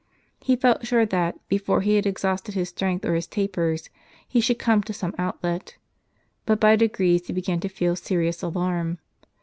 He felt sure that, before he had exhausted his strength or his tapers, he should come to some outlet. But by degrees he began to feel serious alarm.